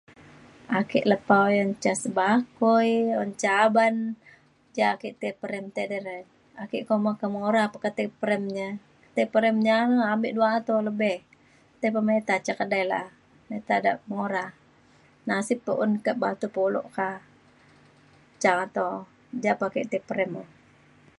ake lepa oyan ca sebakoi un ca aban ja ake tai perem tedai re. ake kemo kemora pa ke tei prem ja tei perem nya abek dua ato lebeh tai pa meta ca kedai la'a meta da mora nasib pa un ka batu pulo ka ca ato ja pe ake tei perem o